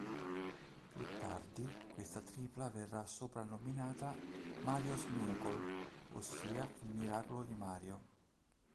Più tardi questa tripla verrà soprannominata "Mario's miracle", ossia "Il miracolo di Mario".